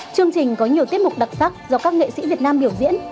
chương trình có nhiều tiết mục đặc sắc do các nghệ sĩ việt nam biểu diễn